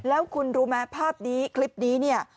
แล้วคุณรู้ไหมภาพนี้คลิปนี้เนี่ย